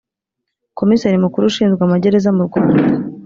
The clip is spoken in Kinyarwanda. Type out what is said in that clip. Komiseri mukuru ushinzwe amagereza mu Rwanda